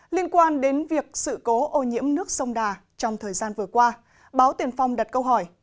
liên quan đến việc sự cố ô nhiễm nước sông đà trong thời gian vừa qua báo tiền phong đặt câu hỏi